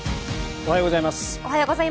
おはようございます。